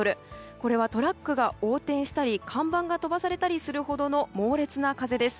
これはトラックが横転したり看板が飛ばされたりするほどの猛烈な風です。